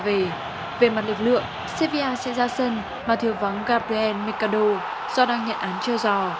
về về mặt lực lượng sevilla sẽ ra sân mà thiếu vắng gabriel mercado do đang nhận án trêu giò